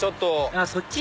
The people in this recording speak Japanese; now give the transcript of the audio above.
あっそっち？